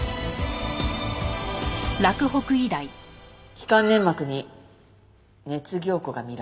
気管粘膜に熱凝固が見られる。